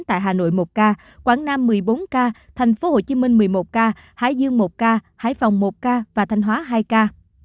tại hà nội một ca quảng nam một mươi bốn ca tp hcm một mươi một ca hải dương một ca hải phòng một ca và thanh hóa hai ca